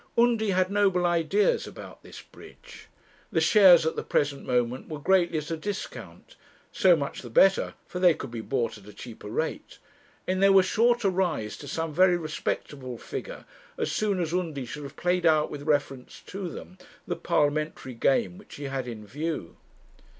Undy had noble ideas about this bridge. The shares at the present moment were greatly at a discount so much the better, for they could be bought at a cheaper rate; and they were sure to rise to some very respectable figure as soon as Undy should have played out with reference to them the parliamentary game which he had in view.